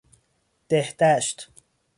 دهدشت